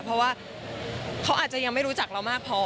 เพราะว่าเขาอาจจะยังไม่รู้จักเรามากพอ